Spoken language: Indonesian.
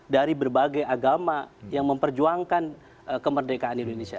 dari berbagai agama yang memperjuangkan kemerdekaan indonesia